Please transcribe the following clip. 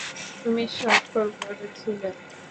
তুমি স্বাক্ষর করেছিলে?